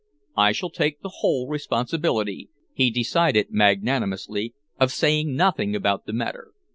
"I shall take the whole responsibility," he decided magnanimously, "of saying nothing about the matter.